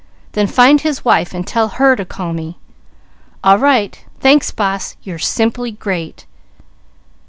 "Then find his wife, and tell her to call me." "All right! Thanks, boss! You're simply great!"